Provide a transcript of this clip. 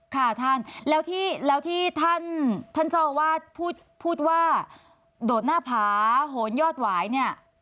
ค่ะท่านแล้วที่ท่านเจ้าอาวาสพูดว่าโดดหน้าผาโหนยอดหวายเนี่ย